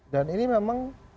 dan ini memang